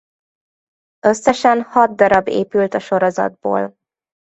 Összesen hat db épült a sorozatból.